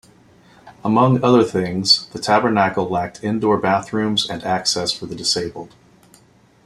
Among other things, the Tabernacle lacked indoor bathrooms and access for the disabled.